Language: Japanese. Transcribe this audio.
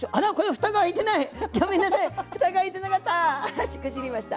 ふたが開いてなかった。